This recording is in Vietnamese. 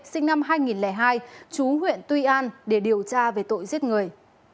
sinh năm hai nghìn hai chú huyện tuy an để điều tra về tội giết người